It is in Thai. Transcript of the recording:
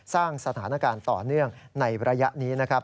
สร้างสถานการณ์ต่อเนื่องในระยะนี้นะครับ